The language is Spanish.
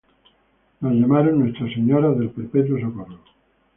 Las llamaron "Nuestra Señora del Perpetuo Socorro".